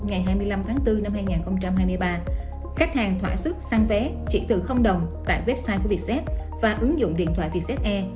ngày hai mươi năm tháng bốn năm hai nghìn hai mươi ba khách hàng thỏa sức săn vé chỉ từ đồng tại website của vietjet và ứng dụng điện thoại vietjet air